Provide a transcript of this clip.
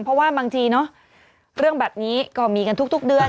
เพราะว่าบางทีเนอะเรื่องแบบนี้ก็มีกันทุกเดือน